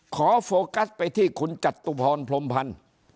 ขอโฟกัสไปที่ขุนจัดตุพรพรมศาล